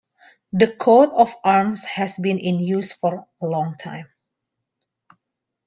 The coat of arms has been in use for a long time.